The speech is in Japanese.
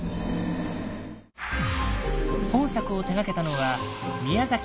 本作を手がけたのは宮崎英高率いる